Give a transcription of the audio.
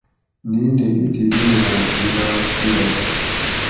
نِینہ ایتھی دیگیراں اۤ گِلاس دیاگ